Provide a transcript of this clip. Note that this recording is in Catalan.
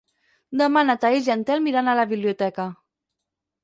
Demà na Thaís i en Telm iran a la biblioteca.